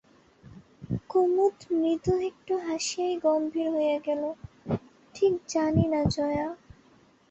কুমুদ মৃদু একটু হাসিয়াই গম্ভীর হইয়া গেল, ঠিক জানি না জয়া।